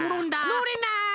のれない！